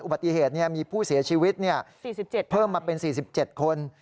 อุบัติเหตุมีผู้เสียชีวิตเพิ่มมาเป็น๔๗คน